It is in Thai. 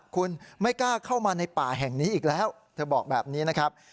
คุณไม่กล้าเข้ามาในป่าแห่งนี้อีกแล้วเธอบอกแบบนี้นะครับ